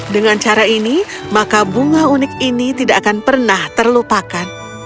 dengan cara ini maka bunga unik ini tidak akan pernah terlupakan